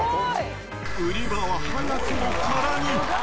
売り場は早くも空に。